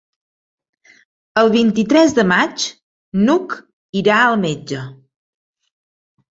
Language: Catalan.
El vint-i-tres de maig n'Hug irà al metge.